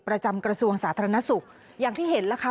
ประจำกระทรวงสาธารณสุขอย่างที่เห็นล่ะค่ะ